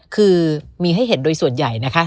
คือมีให้เห็นโดยส่วนใหญ่นะคะ